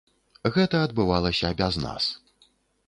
Гэта адбывалася без нас.